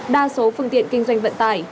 đa số phương tiện kinh doanh vận tải